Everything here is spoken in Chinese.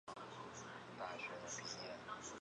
粘唐松草为毛茛科唐松草属下的一个种。